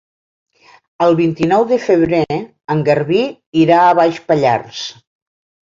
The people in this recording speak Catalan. El vint-i-nou de febrer en Garbí irà a Baix Pallars.